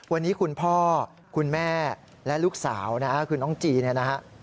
วันนี้คุณพ่อคุณแม่และลูกสาวนะฮะคือน้องจีเนี่ยนะฮะ